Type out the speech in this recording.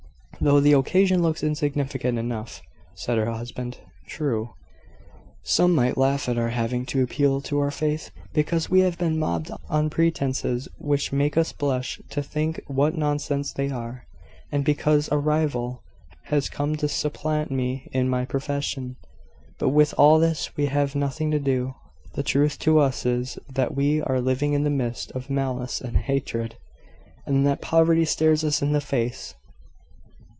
"Though the occasion looks insignificant enough," said her husband. "True. Some might laugh at our having to appeal to our faith because we have been mobbed on pretences which make us blush to think what nonsense they are, and because a rival has come to supplant me in my profession. But with all this we have nothing to do. The truth to us is, that we are living in the midst of malice and hatred, and that poverty stares us in the face.